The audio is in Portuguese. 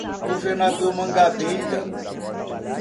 Governador Mangabeira